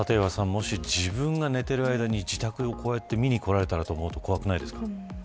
もし自分が寝ている間に自宅を見に来られたらと思うと怖くないですか。